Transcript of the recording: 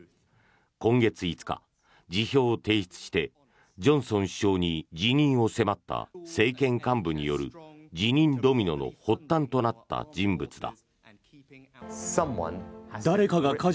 今月５日、辞表を提出してジョンソン首相に辞任を迫った政権幹部による辞任ドミノの発端となった人物だ。